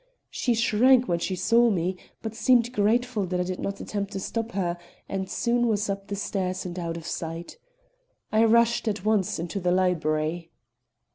She shrank when she saw me, but seemed grateful that I did not attempt to stop her, and soon was up the stairs and out of sight. I rushed at once into the library.